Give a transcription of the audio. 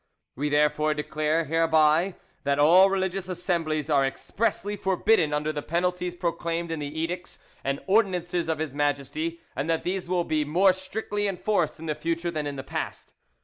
We therefore declare hereby that all religious assemblies are expressly forbidden under the penalties proclaimed in the edicts and ordinances of His Majesty, and that these will be more strictly enforced in the future than in the past.